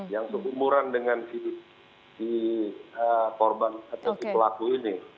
yang berumuran dengan si korban atau si pelaku ini